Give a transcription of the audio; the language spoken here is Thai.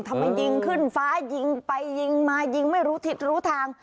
ทำไมยิงขึ้นฟ้ายิงไปยิงมายิงไม่รู้ทิศรู้ทาง